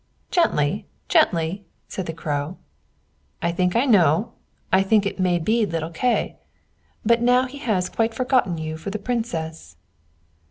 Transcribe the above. "Gently, gently," said the Crow. "I think I know; I think that it may be little Kay. But now he has quite forgotten you for the Princess."